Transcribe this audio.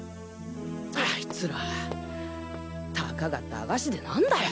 あいつらたかが駄菓子でなんだよ。